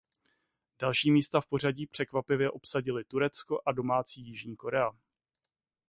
Další místa v pořadí překvapivě obsadili Turecko a domácí Jižní Korea.